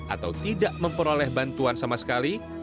atau tidak memperoleh bantuan sama sekali